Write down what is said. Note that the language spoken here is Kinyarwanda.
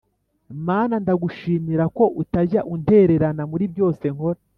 Mana ndagushimira ko utajya untererana muri byose nkora